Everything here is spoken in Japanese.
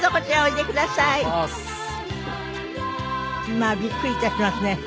まあびっくり致しますね